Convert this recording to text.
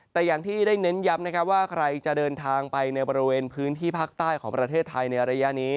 แต่อย่างที่ได้เน้นย้ำนะครับว่าใครจะเดินทางไปในบริเวณพื้นที่ภาคใต้ของประเทศไทยในระยะนี้